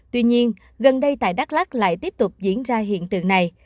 tuy nhiên gần đây tại đắk lắc lại tiếp tục diễn ra hiện tượng này